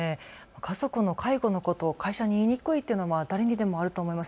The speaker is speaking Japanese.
家族の介護のことを会社に言いにくいというのは誰にでもあると思います。